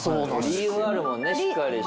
理由があるもんねしっかりした。